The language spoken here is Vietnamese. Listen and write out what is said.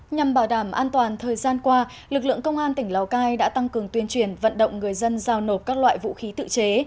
nhằm bảo đảm an toàn thời gian qua lực lượng công an tỉnh lào cai đã tăng cường tuyên truyền vận động người dân giao nộp các loại vũ khí tự chế